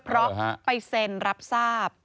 เพราะไปเซ็นรับทราบ